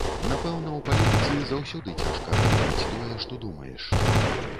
Напэўна, у палітыцы заўсёды цяжка гаворыць тое, што думаеш.